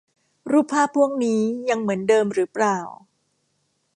รูปภาพพวกนี้ยังเหมือนเดิมหรือเปล่า